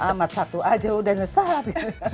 amat satu aja udah nyesat